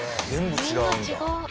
全部違うんだ。